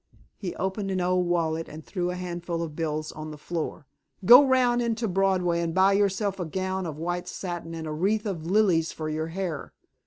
He opened an old wallet and threw a handful of bills on the floor. "Go round into Broadway and buy yourself a gown of white satin and a wreath of lilies for your hair.